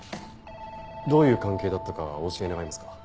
どういう関係だったかお教え願えますか？